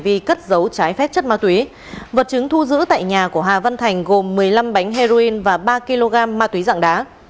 vì cất dấu trái phép chất ma túy vật chứng thu giữ tại nhà của hà văn thành gồm một mươi năm bánh heroin và ba kg ma túy dạng đá